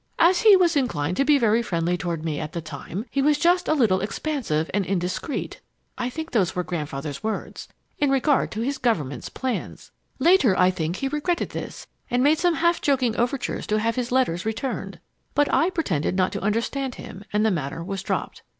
As he was inclined to be very friendly toward me at the time he was just a little expansive and indiscreet (I think those were Grandfather's words) in regard to his Government's plans. Later, I think, he regretted this, and made some half joking overtures to have his letters returned. But I pretended not to understand him and the matter was dropped.